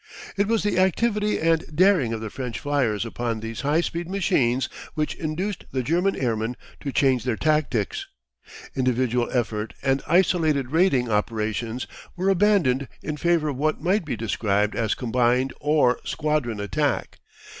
It was the activity and daring of the French fliers upon these high speed machines which induced the German airmen to change their tactics. Individual effort and isolated raiding operations were abandoned in favour of what might be described as combined or squadron attack.